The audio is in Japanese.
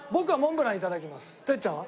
てっちゃんは？